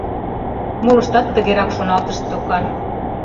Молыштат тыгерак шоналтышт докан.